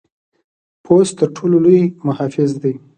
پوست تر ټر ټولو لوی محافظ دی.